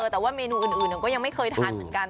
แต่ว่าเมนูอื่นก็ยังไม่เคยทานเหมือนกัน